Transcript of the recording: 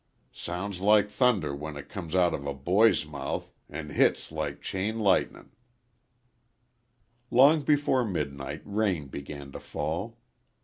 Sounds like thunder when it comes out of a boy's mouth an hits like chain lightnin."_ Long before midnight rain began to fall.